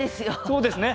そうですね。